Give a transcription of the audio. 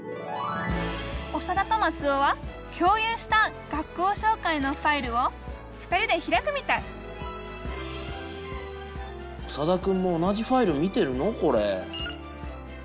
オサダとマツオは共有した学校しょうかいのファイルを２人で開くみたいオサダくんも同じファイルを見てるのこれ？